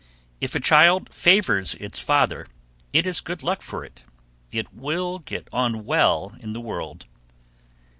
If a child "favors its father," it is good luck for it. It will get on well in the world.